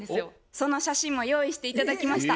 その写真も用意して頂きました。